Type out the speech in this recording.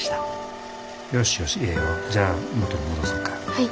はい。